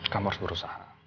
kamu harus berusaha